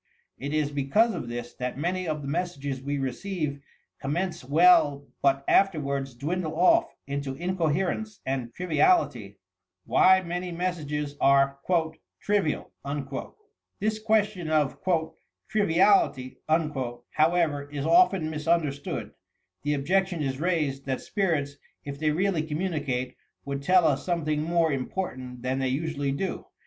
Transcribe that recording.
It is because of this that many of the messages we receive commence well but afterwards dwindle off into incoherence and triviality. WHY MANY MESSAGES AHE "TEIVIAL" This question of "triviality," however, is often mis understood. The objection is raised, that spirits, if they really communicate, would tell us something more im portant than they usually do.